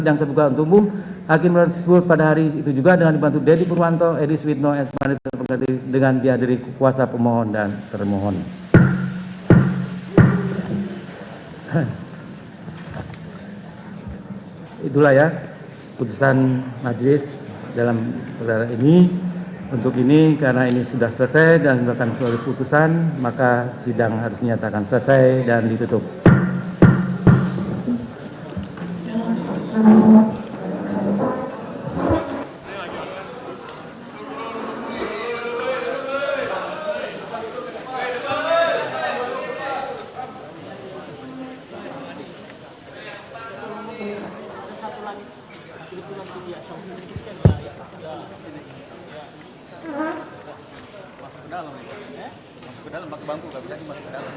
dan memperoleh informasi yang benar jujur tidak diskriminasi tentang kinerja komisi pemberantasan korupsi harus dipertanggungjawab